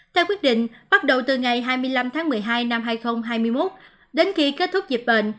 theo quyết định bắt đầu từ ngày hai mươi năm tháng một mươi hai năm hai nghìn hai mươi một đến khi kết thúc dịch bệnh